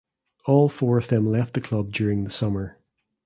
All four of them left the club during the summer.